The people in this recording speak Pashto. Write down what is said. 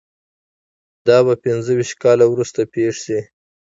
دا به پنځه ویشت کاله وروسته پېښ شي